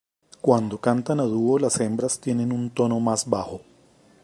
Cuando cantan a dúo las hembras tienen un tono más bajo.